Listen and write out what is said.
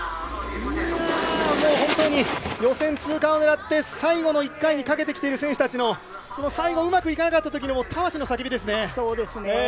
本当に予選通過を狙って最後の１回にかけてきている選手たちのその最後うまくいかなかったときの魂の叫びですね。